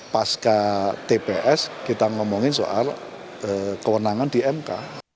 pasca tps kita ngomongin soal kewenangan di mk